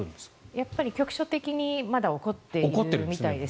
やっぱり局所的にまだ起こっているみたいです。